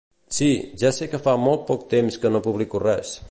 Sí, ja sé que fa molt poc temps que no publico res.